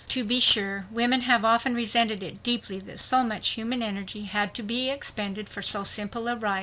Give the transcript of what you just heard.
To be sure, women have often resented it deeply that so much human energy had to be expended for so simple a right.